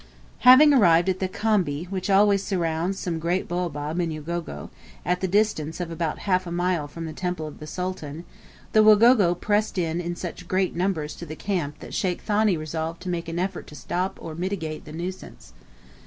Having arrived at the khambi, which always surrounds some great baobab in Ugogo, at the distance of about half a mile from the tembe of the Sultan, the Wagogo pressed in such great numbers to the camp that Sheikh Thani resolved to make an effort to stop or mitigate the nuisance.